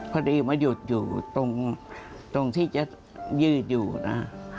พอดีมาหยุดอยู่ตรงที่จะยืดอยู่นะ